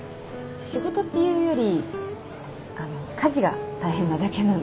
仕事っていうよりあの家事が大変なだけなんで。